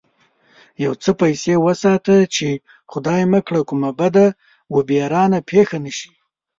يو څه پيسې وساته چې خدای مکړه کومه بده و بېرانه پېښه نه شي.